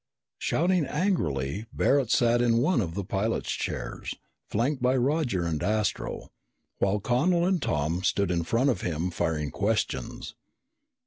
Shouting angrily, Barret sat in one of the pilot's chairs, flanked by Roger and Astro, while Connel and Tom stood in front of him firing questions.